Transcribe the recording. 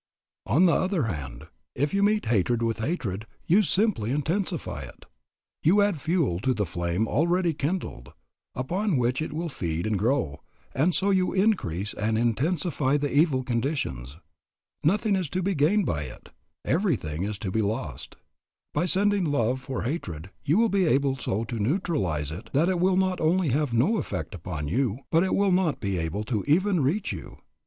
On the other hand, if you meet hatred with hatred, you simply intensify it. You add fuel to the flame already kindled, upon which it will feed and grow, and so you increase and intensify the evil conditions. Nothing is to be gained by it, everything is to be lost. By sending love for hatred you will be able so to neutralize it that it will not only have no effect upon you, but will not be able even to reach you.